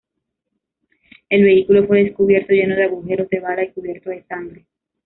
El vehículo fue descubierto lleno de agujeros de bala y cubierto de sangre.